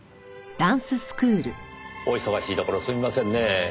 お忙しいところすみませんねぇ。